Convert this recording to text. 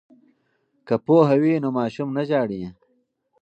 که پوهه وي نو ماشوم نه ژاړي.